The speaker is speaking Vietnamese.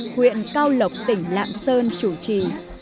huyện cao lộc tỉnh lạm sơn chủ trì